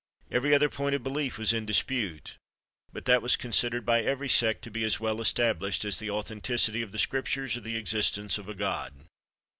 Every other point of belief was in dispute, but that was considered by every sect to be as well established as the authenticity of the Scriptures or the existence of a God.